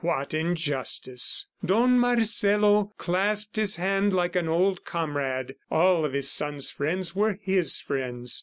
What injustice! ... Don Marcelo clasped his hand like an old comrade. All of his son's friends were his friends.